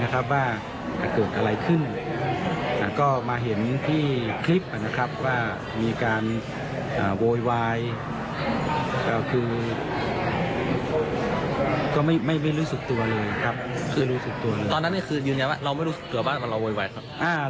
ตอนนั้นคืออยู่อย่างไรเราไม่รู้สึกตัวบ้านเราโวยวาย